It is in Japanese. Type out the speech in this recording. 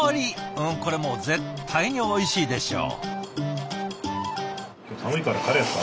うんこれもう絶対においしいでしょう。